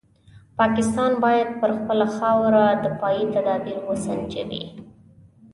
پاکستان باید پر خپله خاوره دفاعي تدابیر وسنجوي.